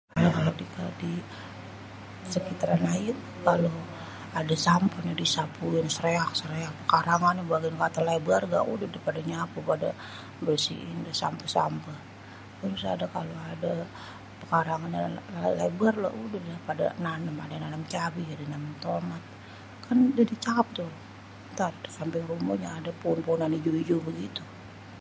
Kalo kita di sekitaran ayé mah kalo ada sampah disapuin [sreak-sreak] pekarangannya biar kata lebar udah deh pada nyapu pada mbersihin sampah-sampah terus kalo ada pekarangan lebar lah udah dah pada nanem, ada nanem cabe, ada nanem tomat, kan pada cakep tuh, ntar samping rumah ada pohonan ijo-ijo begitu.